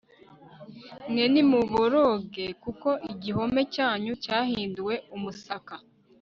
mwe nimuboroge kuko igihome cyanyu cyahinduwe umusaka